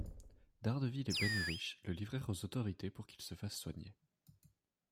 Daredevil et Ben Urich le livrèrent aux autorités pour qu'il se fasse soigner.